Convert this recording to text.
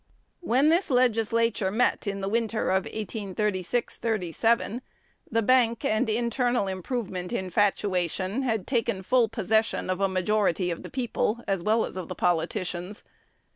When this legislature met in the winter of 1836 7, the bank and internal improvement infatuation had taken full possession of a majority of the people, as well as of the politicians.